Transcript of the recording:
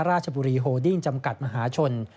ราชบุรีโฮดิ้งจำกัดมหาชน